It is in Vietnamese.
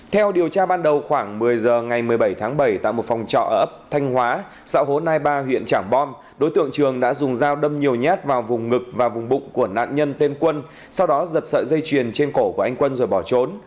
theo điều tra ban đầu khoảng một mươi giờ ngày một mươi bảy tháng bảy tại một phòng trọ ở ấp thanh hóa xã hồ nai ba huyện trảng bom đối tượng trường đã dùng dao đâm nhiều nhát vào vùng ngực và vùng bụng của nạn nhân tên quân sau đó giật sợi dây chuyền trên cổ của anh quân rồi bỏ trốn